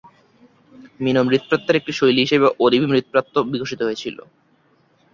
মিনো মৃৎপাত্রের একটি শৈলী হিসাবে ওরিবি মৃৎপাত্র বিকশিত হয়েছিল।